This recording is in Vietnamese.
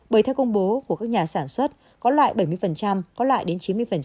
bởi theo công bố của các nhà sản xuất có loại bảy mươi có loại đến chín mươi